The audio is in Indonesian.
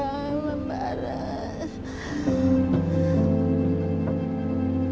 untuk mereka semua